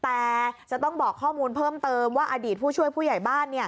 แต่จะต้องบอกข้อมูลเพิ่มเติมว่าอดีตผู้ช่วยผู้ใหญ่บ้าน